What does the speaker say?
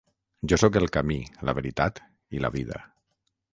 Jo soc el camí, la veritat i la vida.